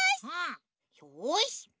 よし！